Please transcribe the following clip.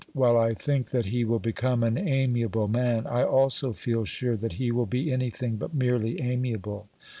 While I think that he will become an amiable man, I also feel sure that he will be anything but merely amiable.